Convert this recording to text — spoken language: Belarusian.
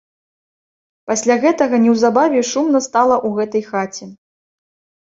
Пасля гэтага неўзабаве шумна стала ў гэтай хаце.